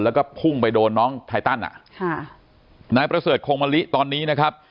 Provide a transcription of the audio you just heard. แล้วก็พุ่งไปโดนน้องไทตันอ่ะค่ะนายประเสริฐโคงมะลิตอนนี้นะครับ